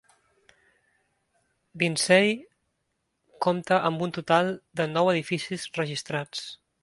Binsey compta amb un total de nou edificis registrats.